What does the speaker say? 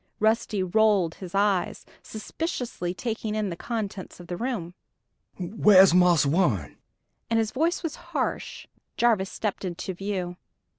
Rusty rolled his eyes, suspiciously taking in the contents of the room. "Whar's Marse Warren?" and his voice was hoarse. Jarvis stepped into view.